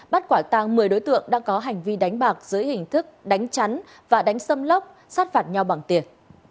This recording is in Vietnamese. bắt quả tang một mươi đối tượng đang có hành vi đánh bạc dưới hình thức đánh chắn và đánh xâm lóc sát phạt nhau bằng tiền